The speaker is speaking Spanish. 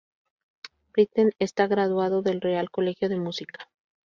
Britten está graduado del Real Colegio de Música.